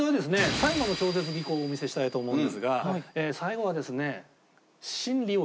最後の超絶技巧をお見せしたいと思うんですが最後はですね。